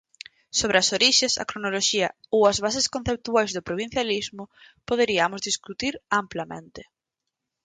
Sobre as orixes, a cronoloxía ou as bases conceptuais do provincialismo poderiamos discutir amplamente.